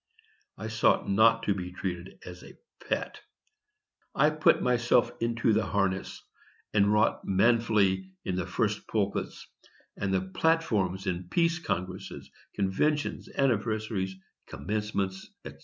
I sought not to be treated as a pet. I put myself into the harness, and wrought manfully in the first pulpits, and the platforms in peace congresses, conventions, anniversaries, commencements, &c.